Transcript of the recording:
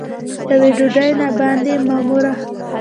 یوې ډوډۍ باندې معموره